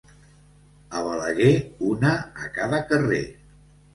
A Balaguer, una a cada carrer.